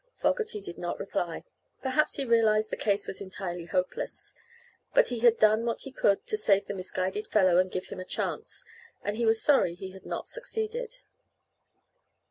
Fogerty did not reply. Perhaps he realized the case was entirely hopeless. But he had done what he could to save the misguided fellow and give him a chance, and he was sorry he had not succeeded.